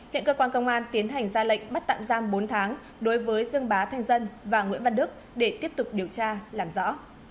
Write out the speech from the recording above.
hiện cơ quan công an tiến hành ra lệnh bắt tạm giam bốn tháng đối với dương bá thanh dân và nguyễn văn đức để tiếp tục điều tra làm rõ